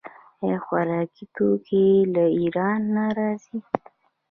آیا خوراکي توکي له ایران نه راځي؟